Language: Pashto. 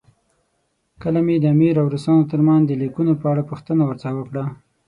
کله مې د امیر او روسانو ترمنځ د لیکونو په اړه پوښتنه ورڅخه وکړه.